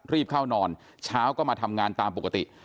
รีบเข้านอนเช้าก็มาทำงานตามปกติ